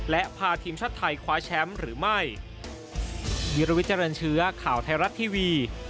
และพาทีมชาติไทยคว้าแชมป์หรือไม่